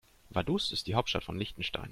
Vaduz ist die Hauptstadt von Liechtenstein.